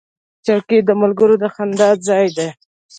چوکۍ د ملګرو د خندا ځای دی.